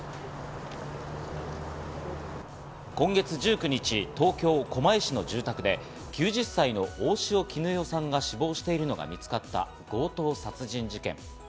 今月１９日、東京・狛江市の住宅で９０歳の大塩衣与さんが死亡してるのが見つかった強盗殺人事件。